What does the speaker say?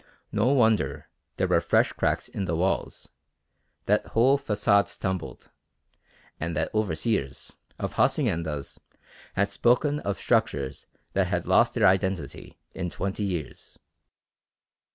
No wonder there were fresh cracks in the walls, that whole façades tumbled, and that overseers (of haciendas) had spoken of structures that had lost their identity in twenty years."